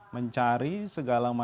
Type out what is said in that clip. mencari segala maksimal